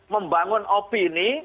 membangun op ini